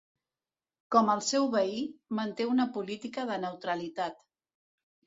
Com el seu veí, manté una política de neutralitat.